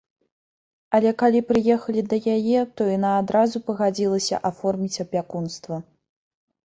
Але калі прыехалі да яе, то яна адразу пагадзілася аформіць апякунства.